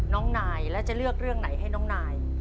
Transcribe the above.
น้องนายแล้วจะเลือกเรื่องไหนให้น้องนาย